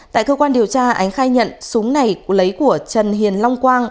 tại cơ quan điều tra ánh khai nhận súng này lấy của trần hiền long quang